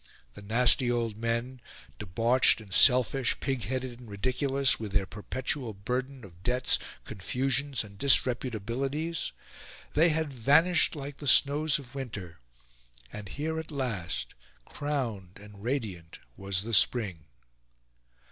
The nasty old men, debauched and selfish, pig headed and ridiculous, with their perpetual burden of debts, confusions, and disreputabilities they had vanished like the snows of winter, and here at last, crowned and radiant, was the spring.